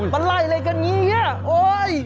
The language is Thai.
มันไล่อะไรกันเนี่ย